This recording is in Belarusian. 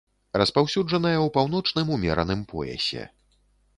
Распаўсюджаная ў паўночным умераным поясе.